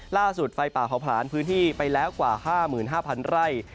ไฟป่าเผาผลาญพื้นที่ไปแล้วกว่า๕๕๐๐ไร่